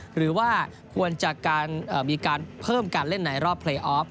หรือว่าควรจะมีการเพิ่มการเล่นในรอบเพลย์ออฟ